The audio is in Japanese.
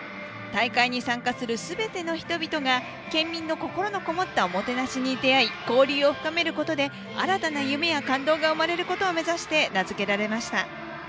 大会に参加するすべての人々が県民の心のこもったおもてなしに出会い交流を深めることで新たな夢や感動が生まれることを目指して名づけられました。